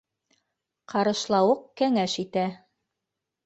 ҠАРЫШЛАУЫҠ КӘҢӘШ ИТӘ